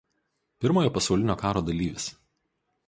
Pirmojo pasaulinio karo dalyvis.